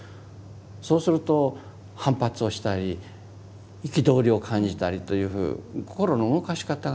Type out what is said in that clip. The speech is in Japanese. そうすると反発をしたり憤りを感じたりという心の動かし方が。